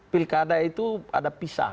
pilkada itu ada pisah